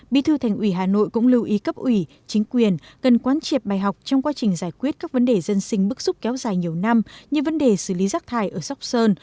bí thư thành ủy hà nội cũng lưu ý cấp ủy chính quyền cần quán triệp bài học trong quá trình giải quyết các vấn đề dân sinh bức xúc kéo dài nhiều năm như vấn đề xử lý rác thải ở sóc sơn